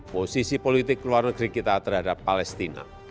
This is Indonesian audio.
posisi politik luar negeri kita terhadap palestina